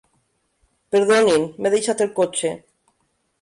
Perdonin, m'he deixat el cotxe.